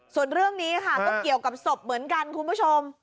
ส่วนเรื่องนี้ค่ะก็เกี่ยวกับศพเหมือนกันคุณผู้ชม